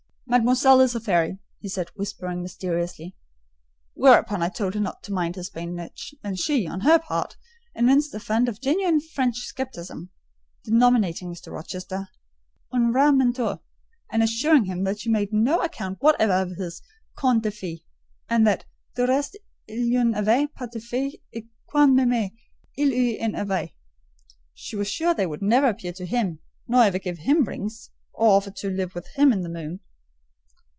"Mademoiselle is a fairy," he said, whispering mysteriously. Whereupon I told her not to mind his badinage; and she, on her part, evinced a fund of genuine French scepticism: denominating Mr. Rochester "un vrai menteur," and assuring him that she made no account whatever of his "contes de fée," and that "du reste, il n'y avait pas de fées, et quand même il y en avait:" she was sure they would never appear to him, nor ever give him rings, or offer to live with him in the moon.